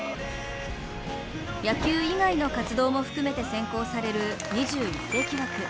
野球以外の活動も含めて選考される２１世紀枠。